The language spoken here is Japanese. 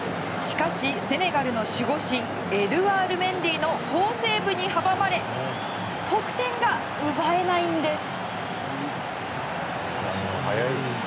しかし、セネガルの守護神エドゥアール・メンディの好セーブに阻まれ得点が奪えないんです。